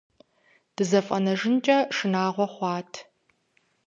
ДызэфӀэнэжынкӀэ шынагъуэ хъуат.